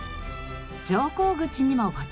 乗降口にもご注目。